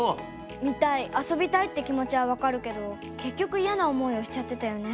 見たい遊びたいって気持ちは分かるけど結局いやな思いをしちゃってたよね。